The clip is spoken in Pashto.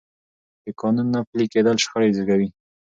د قانون نه پلي کېدل شخړې زېږوي